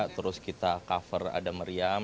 terus kita cover ada meriam